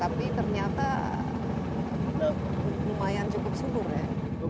tapi ternyata lumayan cukup subur ya